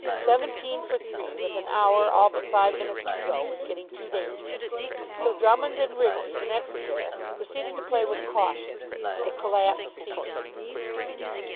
Seventeen for three, with an hour all but five minutes to go, was getting too dangerous. So Drummond and Rigby, the next pair, proceeded to play with caution, and the collapse ceased.